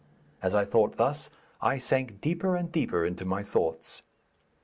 As I thought thus, I sank deeper and deeper in my thoughts.